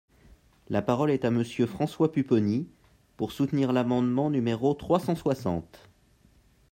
La parole est à Monsieur François Pupponi, pour soutenir l’amendement numéro trois cent soixante.